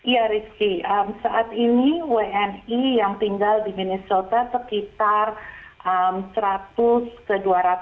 ya rizky saat ini wni yang tinggal di minister sekitar seratus ke dua ratus